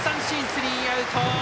スリーアウト。